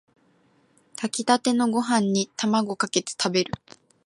炊きたてのご飯にタマゴかけて食べる